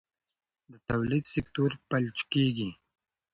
د تولید سکتور فلج کېږي.